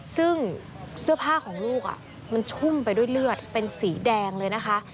ซึ่งเสื้อผ้าของลูกมันชุ่มไปด้วยเลือดเป็นสีแดงเลยนะคะ